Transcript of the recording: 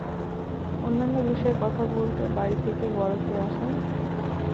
অন্যান্য বিষয়ে কথা বলতে বাড়ি থেকে বড় কেউ আসেনি?